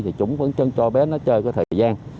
thì chúng vẫn chân cho bé nó chơi cái thời gian